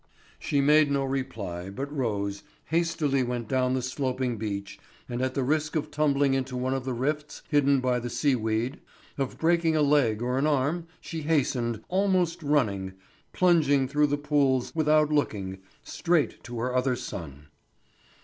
She made no reply, but rose, hastily went down the sloping beach, and at the risk of tumbling into one of the rifts hidden by the sea weed, of breaking a leg or an arm, she hastened, almost running, plunging through the pools without looking, straight to her other son.